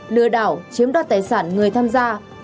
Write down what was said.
lừa đảo chiếm đoạt tài sản người tham gia